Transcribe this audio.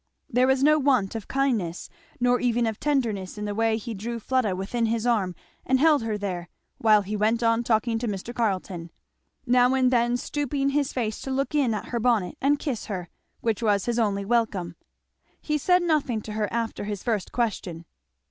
There was no want of kindness nor even of tenderness in the way he drew Fleda within his arm and held her there, while he went on talking to Mr. Carleton; now and then stooping his face to look in at her bonnet and kiss her, which was his only welcome. He said nothing to her after his first question.